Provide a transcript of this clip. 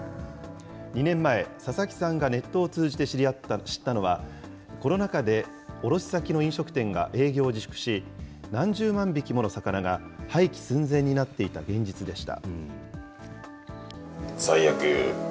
２年前、佐々木さんがネットを通じて知ったのはコロナ禍で卸先の飲食店が営業を自粛し、何十万匹もの魚が廃棄寸前になっていた現実でした。